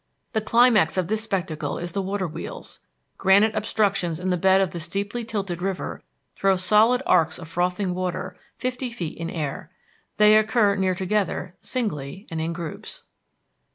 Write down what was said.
The climax of this spectacle is the Waterwheels. Granite obstructions in the bed of the steeply tilted river throw solid arcs of frothing water fifty feet in air. They occur near together, singly and in groups.